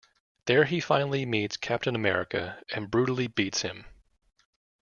There he finally meets Captain America and brutally beats him.